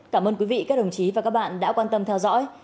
cảm ơn quý vị các đồng chí và các bạn đã quan tâm theo dõi